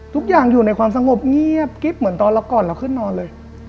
ทุกอย่างอยู่ในความสงบเงียบกิ๊บเหมือนตอนเราก่อนเราขึ้นนอนเลย